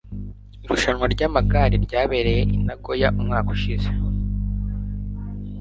Irushanwa ryamagare ryabereye i Nagoya umwaka ushize.